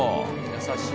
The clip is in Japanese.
優しい。